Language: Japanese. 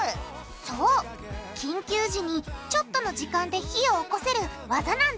そう緊急時にちょっとの時間で火をおこせるワザなんだ